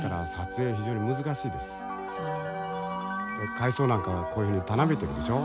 海草なんかはこういうふうにたなびいてるでしょう。